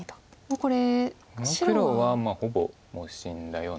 この黒はほぼもう死んだような。